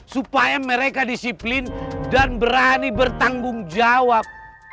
supaya mereka disiplin dan berani bertanggung jawab